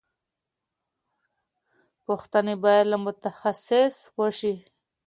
پوښتنې باید له متخصص وشي.